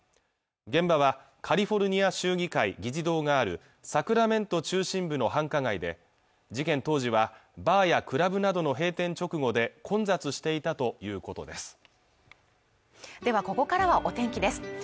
現場はカリフォルニア州議会議事堂があるサクラメント中心部の繁華街で事件当時はバーやクラブなどの閉店直後で混雑していたということです